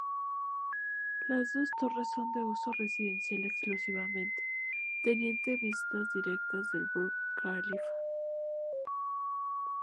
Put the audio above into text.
Las dos torres son de uso residencial exclusivamente, teniente vistas directas del Burj Khalifa.